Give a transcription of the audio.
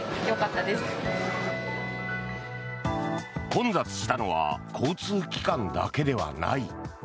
混雑したのは交通機関だけではない。